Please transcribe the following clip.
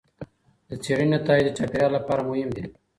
د څېړنې نتایج د چاپیریال لپاره مهم دي.